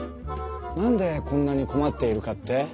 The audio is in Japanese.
なんでこんなにこまっているかって？